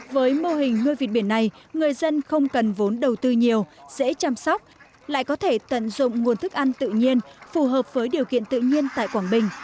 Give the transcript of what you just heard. với mô hình nuôi vịt biển này người dân không cần vốn đầu tư nhiều dễ chăm sóc lại có thể tận dụng nguồn thức ăn tự nhiên phù hợp với điều kiện tự nhiên tại quảng bình